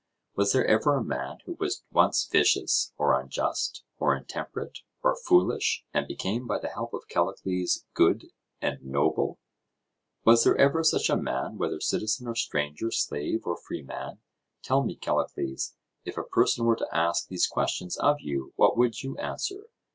Was there ever a man who was once vicious, or unjust, or intemperate, or foolish, and became by the help of Callicles good and noble? Was there ever such a man, whether citizen or stranger, slave or freeman? Tell me, Callicles, if a person were to ask these questions of you, what would you answer?